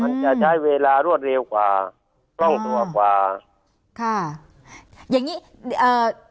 มันจะใช้เวลารวดเร็วกว่ากล้องตัวกว่าค่ะอย่างงี้เอ่อ